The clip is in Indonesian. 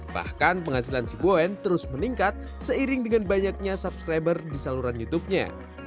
bahkan penghasilan si boen terus meningkat seiring dengan banyaknya subscriber di saluran youtubenya